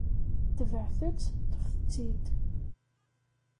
Tebɛet-tt, ṭṭfet-tt-id.